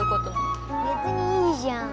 別にいいじゃん。